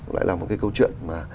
lại là một câu chuyện